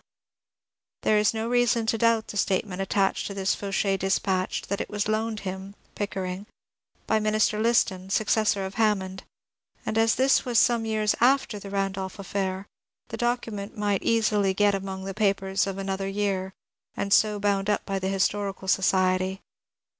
There is no reason to doubt the statement attached to this Fauchet dispatch, that it was loaned him (Pickering) by Min ister Liston, successor of Hammond, and as this was some years after the Randolph affair, the document might easily get among the papers of another year, and so bound up by 426 MONCURE DANIEL CONWAY the Historical Society.